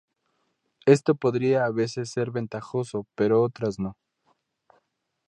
Esto podría a veces ser ventajoso pero otras no.